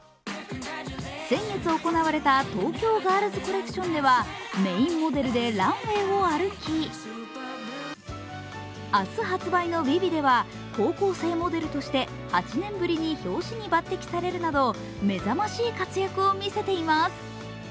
先月行われた東京ガールズコレクションではメインモデルでランウェイを歩き明日発売の「ＶｉＶｉ」では高校生モデルとして８年ぶりに表紙に抜てきされるなど目覚ましい活躍を見せています。